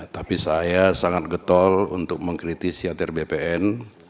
tapi saya sangat getol untuk mengkritisi atr bpn